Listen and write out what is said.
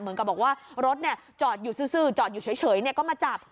เหมือนกับบอกว่ารถจอดอยู่ซื้อจอดอยู่เฉยก็มาจับ